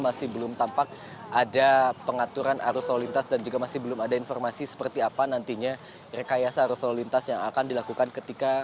masih belum tampak ada pengaturan arus lalu lintas dan juga masih belum ada informasi seperti apa nantinya rekayasa arus lalu lintas yang akan dilakukan ketika